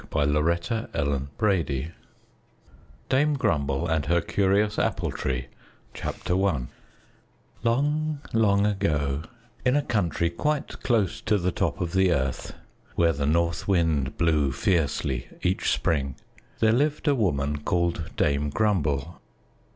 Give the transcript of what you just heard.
CHAPTER I DAME GRUMBLE AND HER CURIOUS APPLE TREE I Long, long ago, in a country quite close to the top of the earth, where the North Wind blew fiercely each spring, there lived a woman called Dame Grumble.